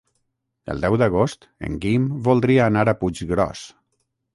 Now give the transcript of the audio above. El deu d'agost en Guim voldria anar a Puiggròs.